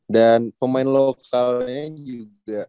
dan pemain lokalnya juga